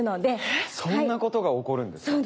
そんなことが起こるんですか？